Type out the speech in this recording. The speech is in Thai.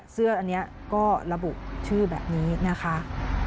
เสื้ออันนี้ก็ระบุชื่อแบบนี้นะคะ